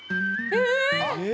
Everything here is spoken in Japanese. え？